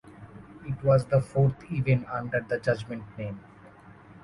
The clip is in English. It was the fourth event under the Judgement name.